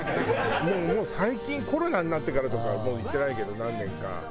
もう最近コロナになってからとかは行ってないけど何年か。